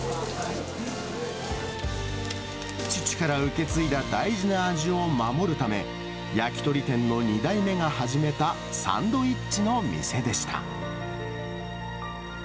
父から受け継いだ大事な味を守るため、焼き鳥店の２代目が始めたサンドイッチの店でした。